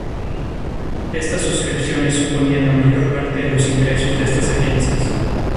Estas suscripciones suponían la mayor parte de los ingresos de estas agencias.